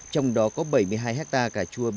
trong đó có bảy mươi hai hectare cà chua